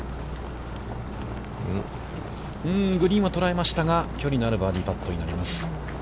グリーンは捉えましたが距離のあるバーディーパットになります。